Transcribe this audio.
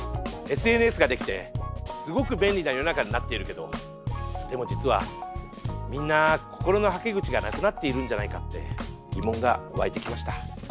ＳＮＳが出来てすごく便利な世の中になっているけどでも実はみんな心のはけ口がなくなっているんじゃないかって疑問が湧いてきました。